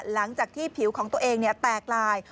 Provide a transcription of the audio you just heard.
หลังจากที่ผิวของตัวเองแตกลาย